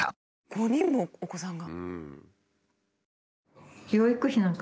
５人もお子さんが。